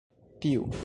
Tiu!